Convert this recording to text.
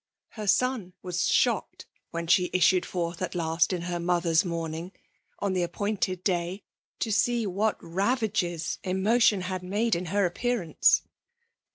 Her son was shocked when she issued forth at last in her mother s mourning, on the appointed day, to see what ravages emotion had made in her appearance,— the 136 FEMALE DOMINATlOll.